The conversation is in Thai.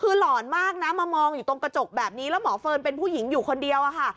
คือหลอนมากนะมามองอยู่ตรงกระจกแบบนี้แล้วหมอเฟิร์นเป็นผู้หญิงอยู่คนเดียวอะค่ะ